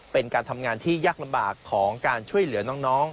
เป็นการทำงานที่ยากลำบากของการช่วยเหลือน้อง